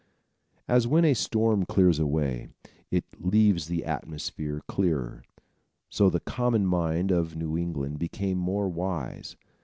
As when a storm clears away, it leaves the atmosphere clearer, so the common mind of New England became more wise.